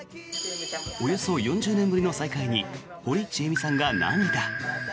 およそ４０年ぶりの再会に堀ちえみさんが涙。